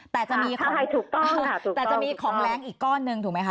แต่จะมีของให้ถูกต้องแต่จะมีของแรงอีกก้อนหนึ่งถูกไหมคะ